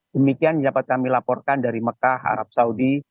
demikian dapat kami laporkan dari mekah arab saudi